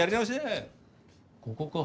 ここか。